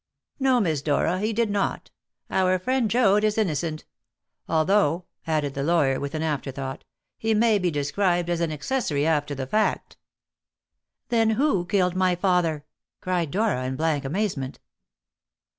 "No, Miss Dora, he did not. Our friend Joad is innocent; although," added the lawyer with an afterthought, "he may be described as an accessory after the fact." "Then who killed my father?" cried Dora in blank amazement.